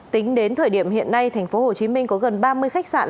tính đến thời điểm hiện nay tp hcm có gần ba mươi khách sạn